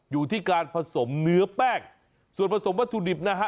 อยู่ที่การผสมเนื้อแป้งส่วนผสมวัตถุดิบนะฮะ